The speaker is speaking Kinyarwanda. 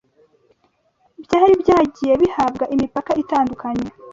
byari byagiye bihabwa imipaka itandukanye